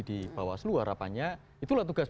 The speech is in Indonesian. di bawaslu harapannya itulah tugas